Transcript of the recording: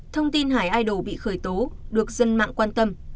thông tin hải idol bị khởi tố được dân mạng quan tâm